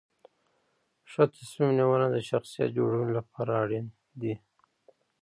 ښه تصمیم نیونه د شخصیت جوړونې لپاره اړین دي.